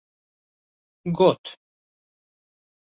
Got: